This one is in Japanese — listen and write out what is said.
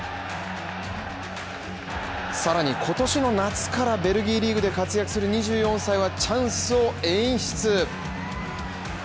さらに今年の夏からベルギーリーグで活躍する２４歳はチャンスを演出。